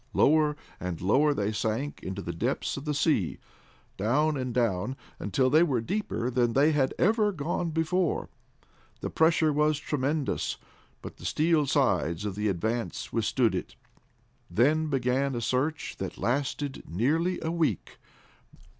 Lower and lower they sank into the depths of the sea, down and down, until they were deeper than they had ever gone before. The pressure was tremendous, but the steel sides of the Advance withstood it. Then began a search that lasted nearly a week.